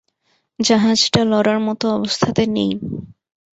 জাহাজটা লড়ার মতো অবস্থাতে নেই।